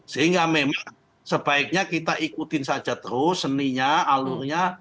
sehingga memang sebaiknya kita ikutin saja terus seninya alurnya